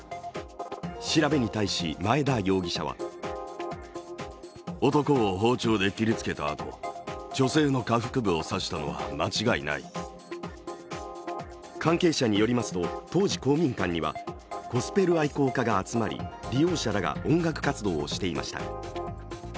調べに対し前田容疑者は関係者によりますと当時、公民館にはゴスペル愛好家が集まり、利用者らが音楽活動をしていました。